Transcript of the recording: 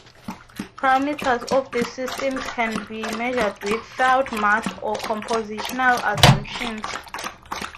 Parameters of these systems can be measured without mass or compositional assumptions.